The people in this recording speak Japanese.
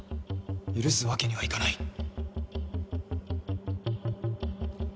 許すわけにはいかない。